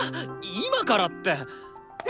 今からって。